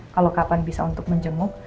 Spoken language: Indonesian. kalau kapan bisa untuk menjenguk